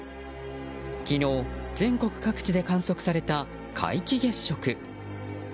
昨日、全国各地で観測された皆既月食。